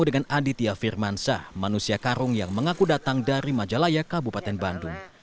dengan aditya firmansyah manusia karung yang mengaku datang dari majalaya kabupaten bandung